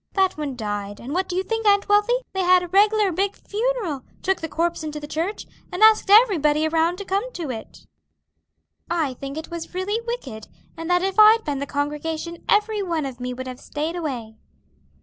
That one died, and what do you think, Aunt Wealthy; they had a reg'lar big funeral, took the corpse into the church, and asked everybody around to come to it." "I think it was really wicked, and that if I'd been the congregation, every one of me would have staid away."